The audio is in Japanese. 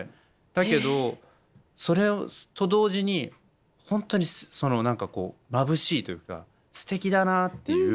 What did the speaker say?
だけどそれと同時にホントにその何かこうまぶしいというかすてきだなっていう。